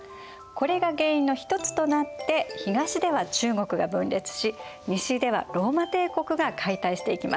これが原因の一つとなって東では中国が分裂し西ではローマ帝国が解体していきます。